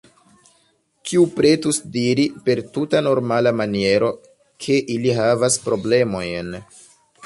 Kiu pretus diri, per tuta normala maniero, ke ili havas problemojn?